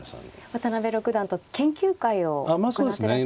渡辺六段と研究会を行ってらっしゃるんですね。